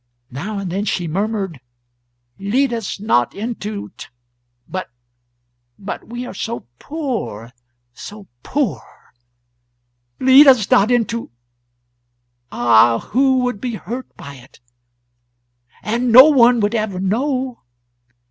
Now and then she murmured, "Lead us not into t ... but but we are so poor, so poor! ... Lead us not into ... Ah, who would be hurt by it? and no one would ever know